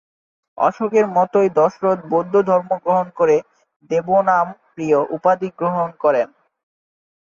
অশোকের মতোই দশরথ বৌদ্ধ ধর্ম গ্রহণ করে "দেবনামপ্রিয়" উপাধি গ্রহণ করেন।